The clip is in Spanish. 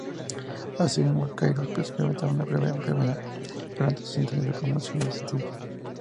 Asimismo Cyrus experimenta una breve enfermedad durante los ensayos de la promoción del sencillo.